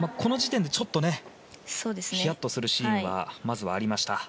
この時点でちょっとヒヤッとするシーンがまず、ありましたね。